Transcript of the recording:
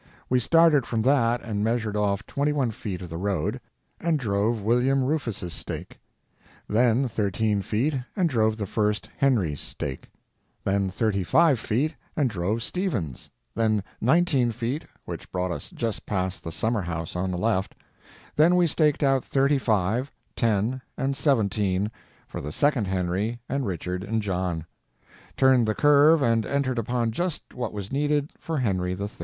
We started from that and measured off twenty one feet of the road, and drove William Rufus's stake; then thirteen feet and drove the first Henry's stake; then thirty five feet and drove Stephen's; then nineteen feet, which brought us just past the summer house on the left; then we staked out thirty five, ten, and seventeen for the second Henry and Richard and John; turned the curve and entered upon just what was needed for Henry III.